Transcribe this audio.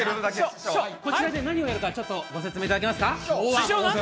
師匠、こちらで何をやるかご説明願えますか。